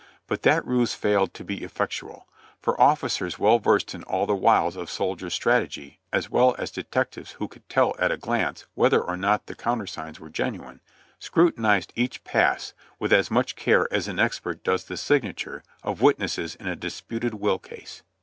But that ruse failed to be effectual, for officers well versed in all the wiles of soldiers' strategy, as well as detectives who could tell at a glance whether or not the countersigns were genuine, scrutinized each pass with as much care as an expert does the signature of witnesses in a disputed will case.